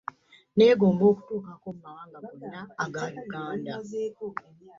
Neegomba okutuukako mu mawanga gonna aga Uganda.